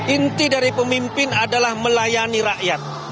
inti dari pemimpin adalah melayani rakyat